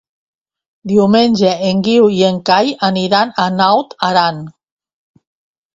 Diumenge en Guiu i en Cai aniran a Naut Aran.